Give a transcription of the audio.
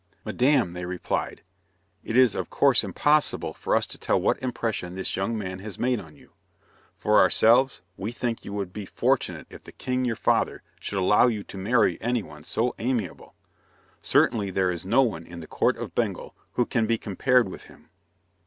"Madame," they replied, "it is of course impossible for us to tell what impression this young man has made on you. For ourselves, we think you would be fortunate if the king your father should allow you to marry anyone so amiable. Certainly there is no one in the Court of Bengal who can be compared with him."